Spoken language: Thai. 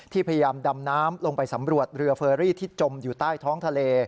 พยายามดำน้ำลงไปสำรวจเรือเฟอรี่ที่จมอยู่ใต้ท้องทะเล